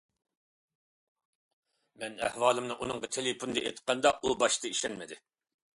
مەن ئەھۋالىمنى ئۇنىڭغا تېلېفوندا ئېيتقاندا ئۇ باشتا ئىشەنمىدى.